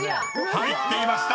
［入っていました